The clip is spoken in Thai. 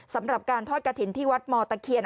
สำหรับการทอดกระถิ่นที่วัดมตะเคียน